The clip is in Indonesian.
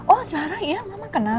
oh zara iya mama kenal